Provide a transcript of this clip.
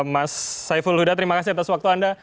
mas saiful huda terima kasih atas waktu anda